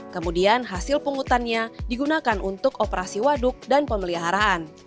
kemudian hasil penghutangnya digunakan untuk operasi waduk dan pemeliharaan